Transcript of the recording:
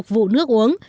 vụ nước uống